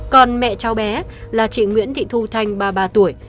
còn mẹ cháu bé là chị nguyễn thị thu thanh ba mươi ba tuổi